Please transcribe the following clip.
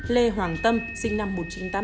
lê hoàng tâm sinh năm một nghìn chín trăm tám mươi tám